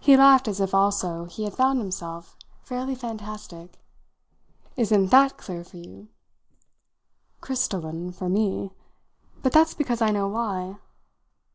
He laughed as if, also, he had found himself fairly fantastic. "Isn't that clear for you?" "Crystalline for me. But that's because I know why."